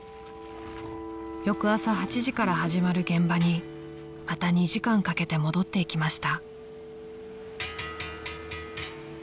［翌朝８時から始まる現場にまた２時間かけて戻っていきました］